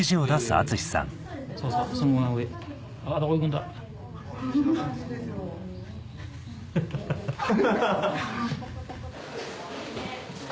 そうそうそのまま上あどこ行くんだ。ハハハ。ハハハ。